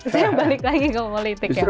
saya balik lagi ke politik ya